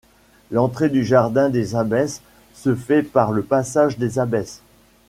L'entrée du jardin des Abbesses se fait par le passage des Abbesses.